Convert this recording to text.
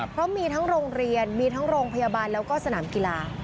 เพราะมีทั้งโรงเรียนมีทั้งโรงพยาบาลแล้วก็สนามกีฬา